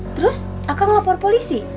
terus akang lapor polisi